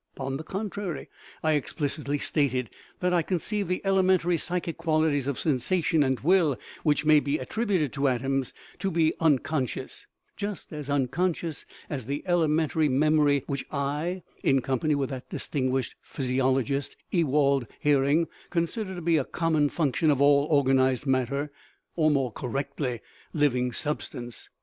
On the contrary, I explicitly stated that I conceive the elementary psychic qualities of sensation and will, which may be attributed to atoms, to be un conscious just as unconscious as the elementary mem ory which I, in company with that distinguished physi ologist, Ewald Hering, consider to be " a common func tion of all organized matter " or, more correctly, * liv ing substance."